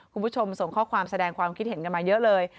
คุณผู้ชมส่งข้อความแสดงความคิดเห็นกันมาเยอะเลย